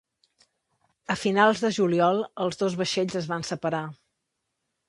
A finals de juliol els dos vaixells es van separar.